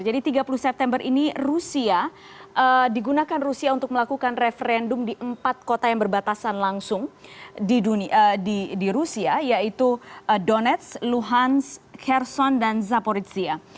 jadi tiga puluh september ini rusia digunakan untuk melakukan referendum di empat kota yang berbatasan langsung di rusia yaitu donetsk luhansk kherson dan zaporizhia